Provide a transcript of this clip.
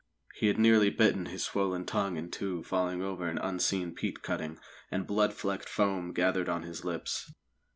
He had nearly bitten his swollen tongue in two falling over an unseen peat cutting, and blood flecked foam gathered on his lips.